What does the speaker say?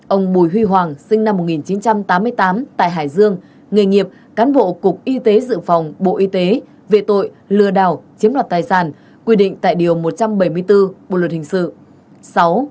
ông bùi huy hoàng sinh năm một nghìn chín trăm tám mươi tám tại hải dương nghề nghiệp cán bộ cục y tế dự phòng bộ y tế về tội lừa đảo chiếm đoạt tài sản quy định tại điều một trăm bảy mươi bốn bộ luật hình sự